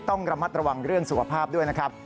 ต้องระมัดระวังเรื่องสุขภาพด้วยนะครับ